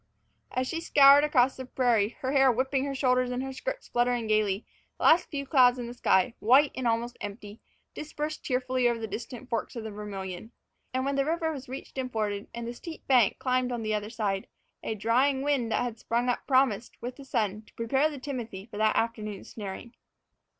As she scoured across the prairie, her hair whipping her shoulders and her skirts fluttering gaily, the last few clouds in the sky, white and almost empty, dispersed tearfully above the distant forks of the Vermillion. And when the river was reached and forded, and the steep bank climbed on the other side, a drying wind that had sprung up promised, with the sun, to prepare the timothy for that afternoon's snaring.